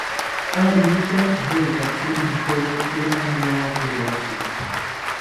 Aririka jekatzari inteini tee añaperotzi